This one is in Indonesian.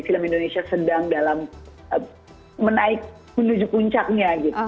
film indonesia sedang dalam menaik menuju puncaknya gitu